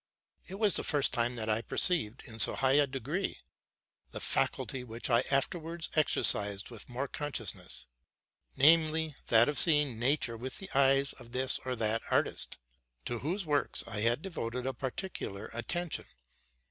It was the first time that I perceived, in so high a degree, the faculty which I afterwards exercised with more consciousness ; namely, that of seeing nature with the eyes of this or that artist, to whose works I had devoted a particular attention.